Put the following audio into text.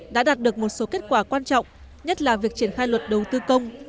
đã đạt được một số kết quả quan trọng nhất là việc triển khai luật đầu tư công